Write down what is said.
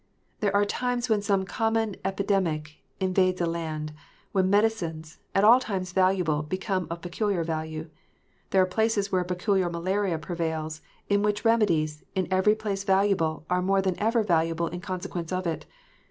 There are times when some common epidemic invades a land, when medicines, at all times valuable, become of peculiar value. There are places where a peculiar malaria prevails, in which remedies, in every place valuable, are more than ever valuable in consequence of it.